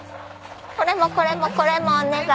これもこれもこれもお願いします。